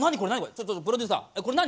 ちょっとプロデューサーこれ何？